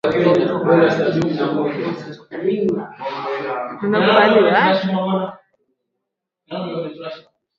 Mama eko na haki yake kwaku pata mashamba